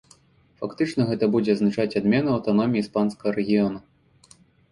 Фактычна гэта будзе азначаць адмену аўтаноміі іспанскага рэгіёна.